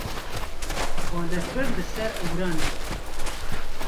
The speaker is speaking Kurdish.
Balafir li ser ewran e.